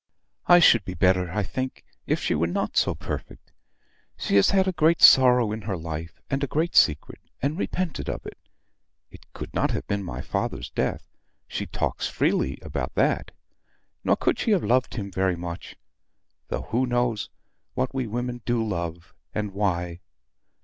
I should be better I think if she were not so perfect. She has had a great sorrow in her life, and a great secret; and repented of it. It could not have been my father's death. She talks freely about that; nor could she have loved him very much though who knows what we women do love, and why?"